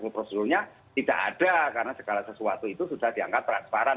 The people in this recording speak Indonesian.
dan prosesnya tidak ada karena segala sesuatu itu sudah diangkat transparan